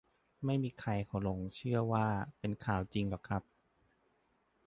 ไม่มีใครเขาหลงเชื่อว่า เป็นข่าวจริงหรอกครับ